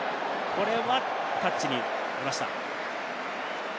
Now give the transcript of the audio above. これはタッチを割りました。